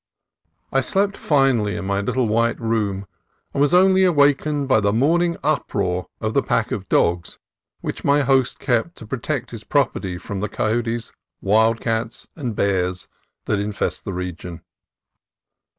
I slept finely in my little white room, and was only awakened by the morning uproar of the pack of dogs which my host kept to protect his property from the coyotes, wild cats, and bears that infest the region.